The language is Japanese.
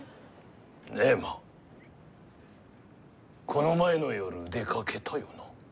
この前の夜出かけたよな？